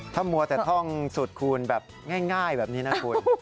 ถ้ามัวแต่ท่องสูตรคูณแบบง่ายแบบนี้นะคุณ